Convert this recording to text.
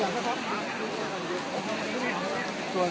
นะครับ